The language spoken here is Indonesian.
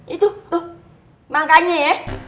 itu tuh makanya ya